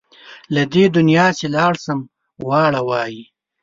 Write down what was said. له دې دنیا چې لاړ شم واړه وایي.